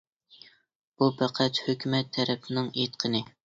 بۇ پەقەت ھۆكۈمەت تەرەپنىڭ ئېيتقىنى.